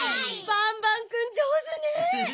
バンバンくんじょうずねえ。